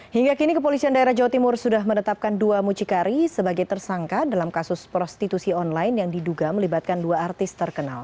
hingga kini kepolisian daerah jawa timur sudah menetapkan dua mucikari sebagai tersangka dalam kasus prostitusi online yang diduga melibatkan dua artis terkenal